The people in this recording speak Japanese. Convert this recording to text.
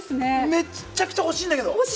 めっちゃくちゃ欲しいんだけど！